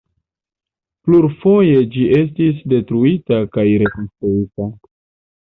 Plurfoje ĝi estis detruita kaj rekonstruita.